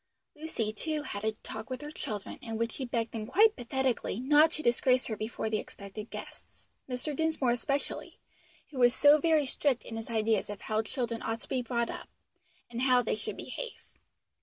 Lucy, too, had a talk with her children, in which she begged them quite pathetically, not to disgrace her before the expected guests, Mr. Dinsmore especially, who was so very strict in his ideas of how children ought to be brought up, and how they should behave.